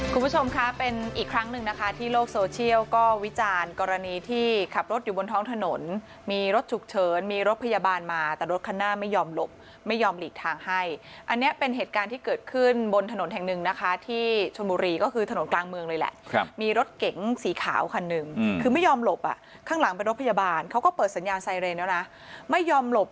คุณผู้ชมคะเป็นอีกครั้งหนึ่งนะคะที่โลกโซเชียลก็วิจารณ์กรณีที่ขับรถอยู่บนท้องถนนมีรถฉุกเฉินมีรถพยาบาลมาแต่รถคันหน้าไม่ยอมหลบไม่ยอมหลีกทางให้อันนี้เป็นเหตุการณ์ที่เกิดขึ้นบนถนนแห่งหนึ่งนะคะที่ชนบุรีก็คือถนนกลางเมืองเลยแหละครับมีรถเก๋งสีขาวคันหนึ่งคือไม่ยอมหลบอ่ะข้างหลังเป็นรถพยาบาลเขาก็เปิดสัญญาณไซเรนแล้วนะไม่ยอมหลบ